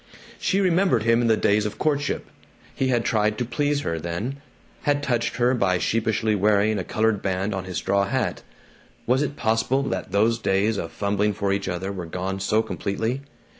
She remembered him in the days of courtship. He had tried to please her, then, had touched her by sheepishly wearing a colored band on his straw hat. Was it possible that those days of fumbling for each other were gone so completely?